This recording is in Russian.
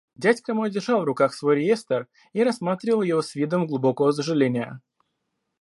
Дядька мой держал в руках свой реестр и рассматривал его с видом глубокого сожаления.